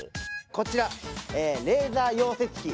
こちらレーザー溶接機。